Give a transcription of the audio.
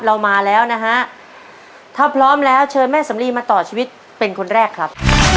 เรามาแล้วนะฮะถ้าพร้อมแล้วเชิญแม่สำลีมาต่อชีวิตเป็นคนแรกครับ